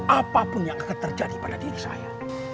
apapun yang akan terjadi pada diri saya